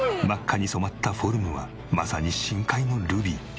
真っ赤に染まったフォルムはまさに深海のルビー。